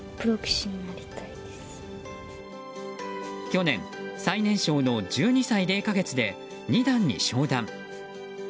去年、最年少の１２歳０か月で二段に昇段。